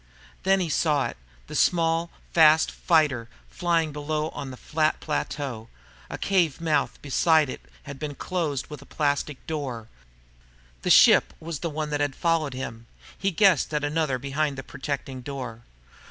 Then he saw it the small, fast fighter flying below them on a flat plateau. A cave mouth beside it had been closed with a plastic door. The ship was the one that had followed them. He guessed at another one behind the protecting door.